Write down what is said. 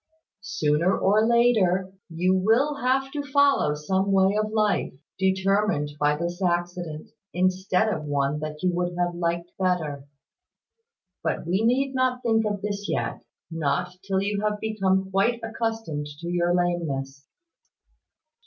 "Sooner or later, you will have to follow some way of life, determined by this accident, instead of one that you would have liked better. But we need not think of this yet: not till you have become quite accustomed to your lameness."